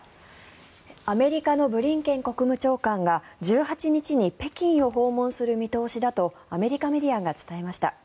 アメリカのブリンケン国務長官が１８日に北京を訪問する見通しだとアメリカメディアが伝えました。